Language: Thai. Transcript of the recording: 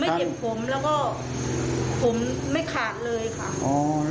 ไม่เห็นผมแล้วก็ผมไม่ขาดเลยค่ะ